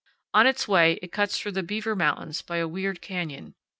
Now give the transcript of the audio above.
On its way it cuts through the Beaver Mountains by a weird canyon.